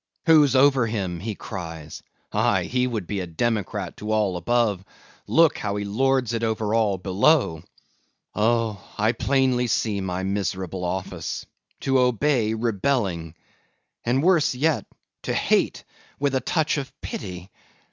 Who's over him, he cries;—aye, he would be a democrat to all above; look, how he lords it over all below! Oh! I plainly see my miserable office,—to obey, rebelling; and worse yet, to hate with touch of pity!